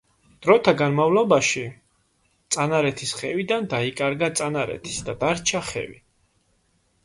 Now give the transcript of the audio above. დროთა განმავლობაში „წანარეთის ხევიდან“ დაიკარგა „წანარეთის“ და დარჩა „ხევი“.